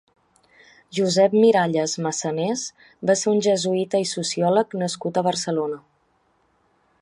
Josep Miralles Massanés va ser un jesuïta i sociòleg nascut a Barcelona.